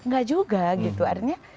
gak juga gitu artinya